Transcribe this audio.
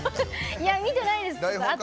いや、見てないです。